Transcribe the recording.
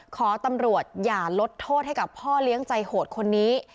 ขอตำรวจอย่าลดโทษให้กับพ่อเลี้ยงใจโหดคนนี้